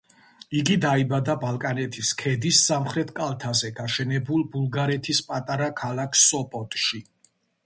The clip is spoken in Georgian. იგი დაიბადა ბალკანეთის ქედის სამხრეთ კალთაზე გაშენებულ ბულგარეთის პატარა ქალაქ სოპოტში.